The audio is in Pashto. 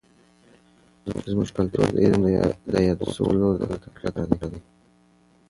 زموږ کلتور د علم د یادو سوي اصولو د تقویت لپاره دی.